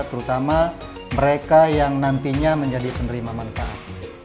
terutama mereka yang nantinya menjadi penerima manfaat